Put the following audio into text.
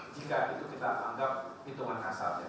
jika itu kita anggap hitungan kasar